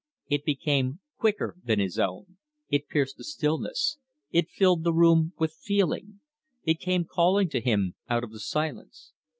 It became quicker than his own, it pierced the stillness, it filled the room with feeling, it came calling to him out of the silence.